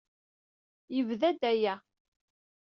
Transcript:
Yebda-d aya.